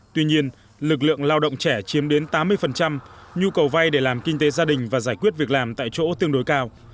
tuy nhiên lực lượng lao động trẻ chiếm đến tám mươi nhu cầu vay để làm kinh tế gia đình và giải quyết việc làm tại chỗ tương đối cao